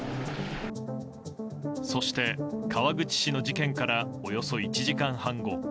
そして、川口市の事件からおよそ１時間半後。